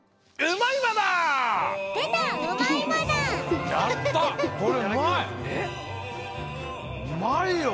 うまいよ！